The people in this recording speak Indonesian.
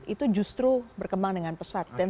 itu justru berkembang dengan pesat